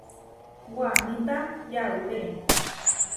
Waníta yauré.